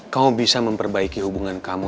kau bisa memperbaiki hubungan kamu